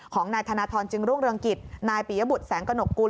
ของนายธนทรจึงรุ่งเรืองกิจนายปียบุตรแสงกระหนกกุล